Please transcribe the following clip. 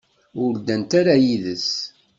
Ur ddant ara yid-s.